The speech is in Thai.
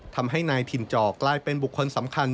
ทำให้นายถิ่นจอกลายเป็นบุคคลสำคัญ